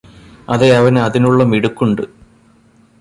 അതെ അവനു അതിനുള്ള മിടുക്കുണ്ട്